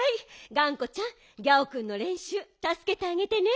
がんこちゃんギャオくんのれんしゅうたすけてあげてね。